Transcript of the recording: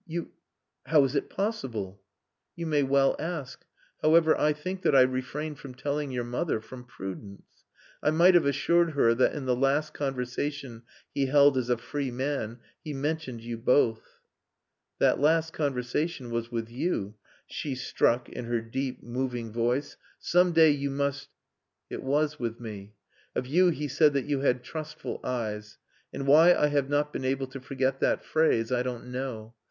"You.... How is it possible?" "You may well ask.... However, I think that I refrained from telling your mother from prudence. I might have assured her that in the last conversation he held as a free man he mentioned you both...." "That last conversation was with you," she struck in her deep, moving voice. "Some day you must...." "It was with me. Of you he said that you had trustful eyes. And why I have not been able to forget that phrase I don't know.